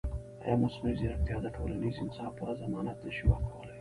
ایا مصنوعي ځیرکتیا د ټولنیز انصاف پوره ضمانت نه شي ورکولی؟